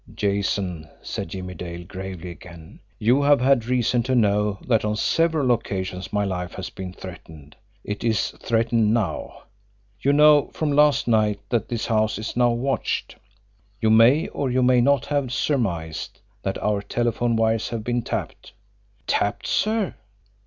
"Jason," said Jimmie Dale, gravely again, "you have had reason to know that on several occasions my life has been threatened. It is threatened now. You know from last night that this house is now watched. You may, or you may not have surmised that our telephone wires have been tapped." "Tapped, sir!"